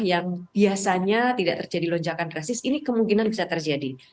yang biasanya tidak terjadi lonjakan resis ini kemungkinan bisa terjadi